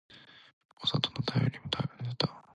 お里の便りも絶え果てた